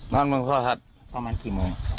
นอนเมืองพรรดิ